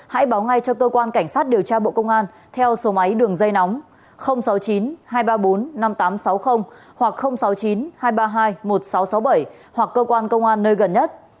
hãy báo ngay cho cơ quan cảnh sát điều tra bộ công an theo số máy đường dây nóng sáu mươi chín hai trăm ba mươi bốn năm nghìn tám trăm sáu mươi hoặc sáu mươi chín hai trăm ba mươi hai một nghìn sáu trăm sáu mươi bảy hoặc cơ quan công an nơi gần nhất